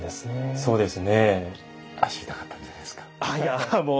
そうですね。